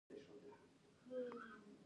یو څه مکروني مې له لاس څخه پر مځکه توی شول.